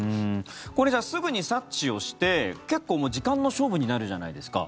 これ、すぐに察知をして結構、時間の勝負になるじゃないですか。